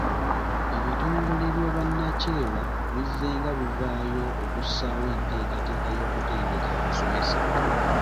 Ebitongole eby’obwannakyewa bizzenga bivaayo okussaawo enteekateeka y’okutendeka abasomesa.